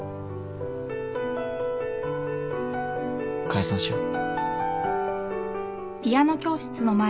解散しよう。